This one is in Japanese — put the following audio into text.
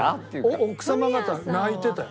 奥様方泣いてたよ。